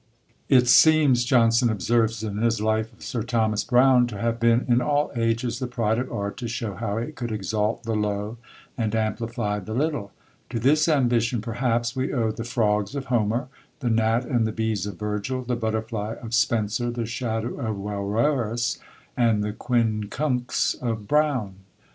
It seems, Johnson observes in his life of Sir Thomas Browne, to have been in all ages the pride of art to show how it could exalt the low and amplify the little. To this ambition, perhaps, we owe the Frogs of Homer; the Gnat and the Bees of Virgil; the Butterfly of Spenser; the Shadow of Wowerus; and the Quincunx of Browne.